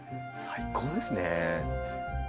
最高ですね。